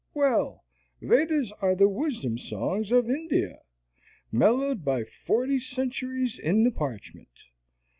Well, Vedas are the wisdom songs of India. Mellowed by forty centuries in the parchment.